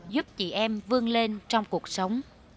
giúp chị em vươn lên trong cuộc sống